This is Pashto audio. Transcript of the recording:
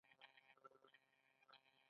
کاناډا د پولیسو اداره لري.